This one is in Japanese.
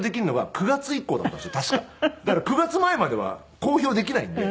だから９月前までは公表できないんで。